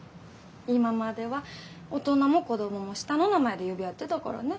今までは大人も子供も下の名前で呼び合ってたからね。